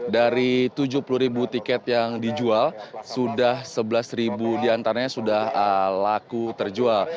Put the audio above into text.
dari tujuh puluh ribu tiket yang dijual sudah sebelas ribu diantaranya sudah laku terjual